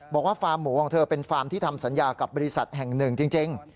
ฟาร์มหมูของเธอเป็นฟาร์มที่ทำสัญญากับบริษัทแห่งหนึ่งจริง